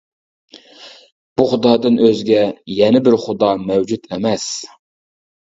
بۇ خۇدادىن ئۆزگە يەنە بىر خۇدا مەۋجۇت ئەمەس.